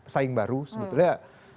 saing baru sebetulnya